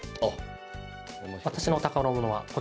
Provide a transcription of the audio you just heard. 私の宝物はこちらです。